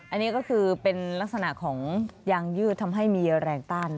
อันนี้ก็คือเป็นลักษณะของยางยืดทำให้มีแรงต้าน